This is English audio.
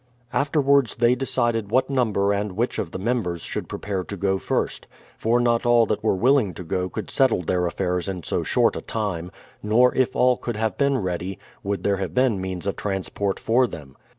Afterwards they decided what number and which of the members should prepare to go first; for not all that were willing to go could settle their affairs in so short a time ; nor if all could have been ready, would there have been means of transport for them.